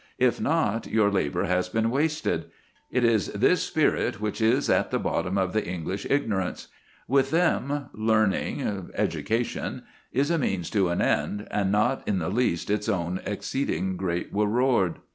If not, your labour has been wasted. It is this spirit which is at the bottom of the English ignorance. With them, learning, education, is a means to an end, and not in the least its own exceeding great reward.